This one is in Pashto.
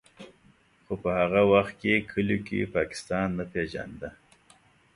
خو په هغه وخت کې کلیو کې پاکستان نه پېژانده.